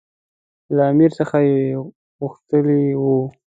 له امیر څخه یې غوښتي وو.